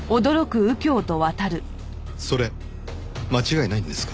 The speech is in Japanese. それ間違いないんですか？